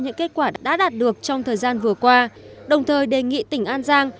những kết quả đã đạt được trong thời gian vừa qua đồng thời đề nghị tỉnh an giang